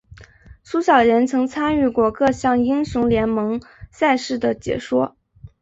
苏小妍曾参与过各项英雄联盟赛事的解说。